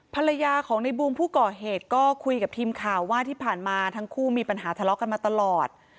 ภรรยาของในบูมผู้ก่อเหตุก็คุยกับทีมข่าวว่าที่ผ่านมาทั้งคู่มีปัญหาทะเลาะกันมาตลอด